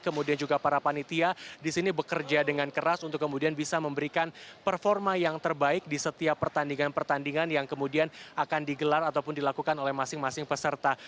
kemudian juga para panitia di sini bekerja dengan keras untuk kemudian bisa memberikan performa yang terbaik di setiap pertandingan pertandingan yang kemudian akan digelar ataupun dilakukan oleh masing masing peserta